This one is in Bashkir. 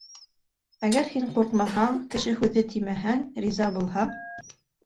Әгәр һин ҡурҡмаһаң, кеше һүҙе тимәһәң, риза булһаң?